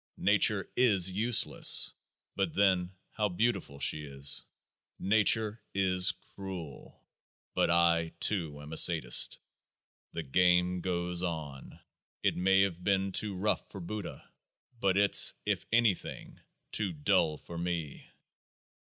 Nature is useless ; but then how beautiful she is ! Nature is cruel ; but I too am a Sadist. The game goes on ; it may have been too rough for Buddha, but it's (if anything) too dull for me.